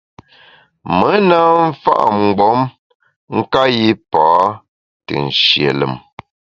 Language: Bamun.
Me na mfa’ mgbom nka yipa te nshie lùm.